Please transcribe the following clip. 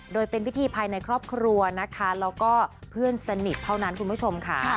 โดยเป็นพิธีภายในครอบครัวนะคะแล้วก็เพื่อนสนิทเท่านั้นคุณผู้ชมค่ะ